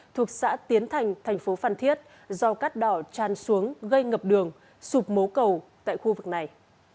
thuộc xã tiến thành thành phố phan thiết do cát đỏ tràn xuống gây ngập đường sụp mố cầu tại khu vực này